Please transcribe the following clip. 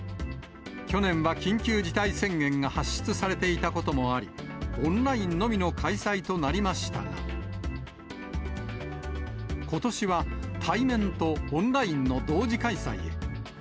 去年は緊急事態宣言が発出されていたこともあり、オンラインのみの開催となりましたが、ことしは対面とオンラインの同時開催へ。